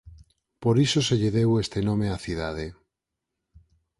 Por iso se lle deu este nome á cidade.